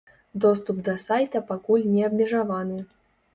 Доступ да сайта пакуль не абмежаваны.